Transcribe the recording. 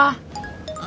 tahu dari siapa